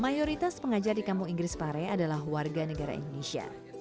mayoritas pengajar di kampung inggris pare adalah warga negara indonesia